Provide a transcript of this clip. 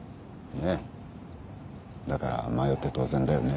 ねっだから迷って当然だよね。